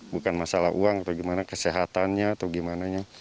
bukan masalah uang atau gimana kesehatannya atau gimananya